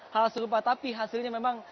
hal serupa tapi hasilnya memang